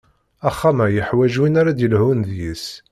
Axxam-a yeḥwaǧ win ara ad d-yelhun deg-s.